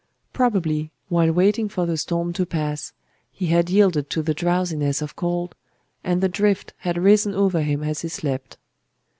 Probably, while waiting for the storm to pass, he had yielded to the drowsiness of cold, and the drift had risen over him as he slept.